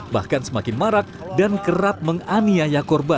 bahkan semakin marak dan kerap menganiaya korban